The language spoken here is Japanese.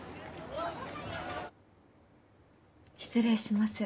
失礼します。